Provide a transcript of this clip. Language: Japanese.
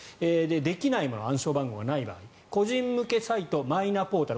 できないもの暗証番号がない場合個人向けサイトマイナポータル